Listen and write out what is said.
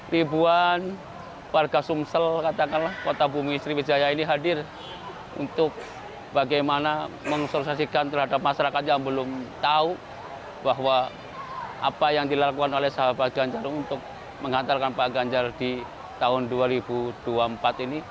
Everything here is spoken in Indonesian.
ribuan warga sumsel katakanlah kota bumi sriwijaya ini hadir untuk bagaimana mengkonsolisasikan terhadap masyarakat yang belum tahu bahwa apa yang dilakukan oleh sahabat ganjar untuk menghantarkan pak ganjar di tahun dua ribu dua puluh empat ini